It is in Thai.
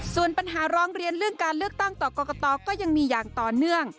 ส่วนปัญหาร้องเรียนเรื่องการเลือกตั้งต่อกรกตก็ยังมีอย่างต่อเนื่อง